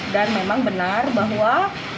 dan memang benar bahwa